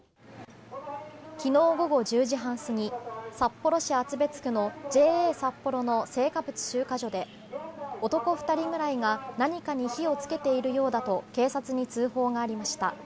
昨日午後１０時半過ぎ札幌市厚別区のＪＡさっぽろの青果物集荷所で男２人くらいが何かに火をつけているようだと警察に通報がありました。